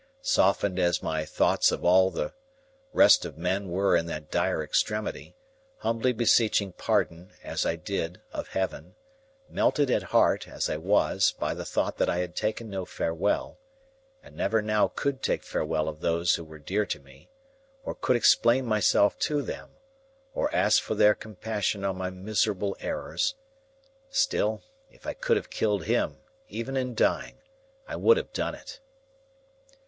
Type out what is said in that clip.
Softened as my thoughts of all the rest of men were in that dire extremity; humbly beseeching pardon, as I did, of Heaven; melted at heart, as I was, by the thought that I had taken no farewell, and never now could take farewell of those who were dear to me, or could explain myself to them, or ask for their compassion on my miserable errors,—still, if I could have killed him, even in dying, I would have done it.